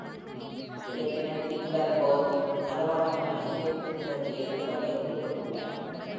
இருப்பினும், ஹிட்லர் போர்த் தளவாடங்கள் அதிகர்ப்பு பற்றிய விருப்பத்தை குறிப்பிட்டுள்ளார்.